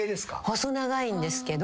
細長いんですけど。